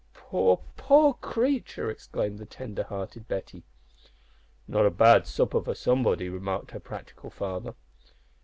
"Poor, poor creature!" exclaimed the tender hearted Betty. "Not a bad supper for somebody," remarked her practical father.